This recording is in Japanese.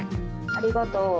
ありがとう。